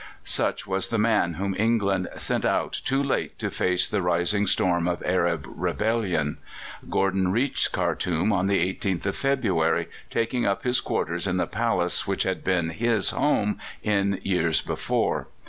Such was the man whom England sent out too late to face the rising storm of Arab rebellion. Gordon reached Khartoum on the 18th of February, taking up his quarters in the palace which had been his home in years before.